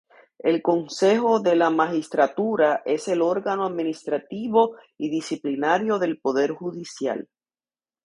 El Consejo de la Magistratura es el órgano administrativo y disciplinario del Poder Judicial.